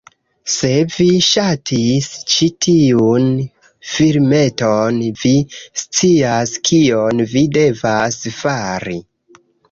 Se vi ŝatis ĉi tiun filmeton, vi scias kion vi devas fari: